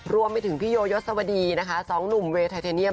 รวมไปถึงพี่โยยศวดีนะคะสองหนุ่มเวย์ไทเทเนียม